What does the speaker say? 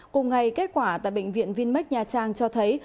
cùng ngày kết quả tại bệnh viện vinmec nha trang cho thấy